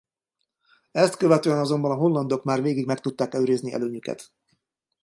Ezt követően azonban a hollandok már végig meg tudták őrizni előnyüket.